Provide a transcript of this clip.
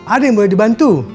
ada yang boleh dibantu